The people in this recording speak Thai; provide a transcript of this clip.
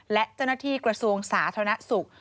และเจ้าหน้าที่กระทรวงสาธารณสุข